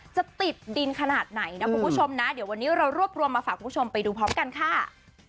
จะติดดินขนาดไหนนะคุณผู้ชมนะเดี๋ยววันนี้เรารวบรวมมาฝากคุณผู้ชมไปดูพร้อมกันค่ะ